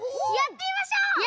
やってみましょう！